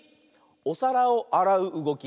おさらをあらううごき。